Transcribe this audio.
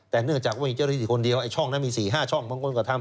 แต่เนื่องจากว่ามีเจ้าหน้าที่คนเดียวไอ้ช่องนั้นมี๔๕ช่องบางคนก็ทำ